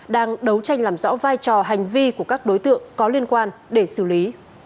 đang đấu tranh làm rõ vai trò hành vi của các đối tượng có liên quan để xử lý